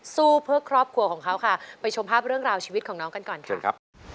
สู้เพื่อครอบครัวของเขาค่ะไปชมภาพเรื่องราวชีวิตของน้องกันก่อนค่ะ